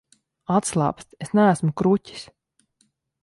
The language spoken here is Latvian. Atslābsti, es neesmu kruķis.